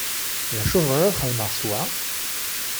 D acu tebɣiḍ ad xedmeɣ s wa?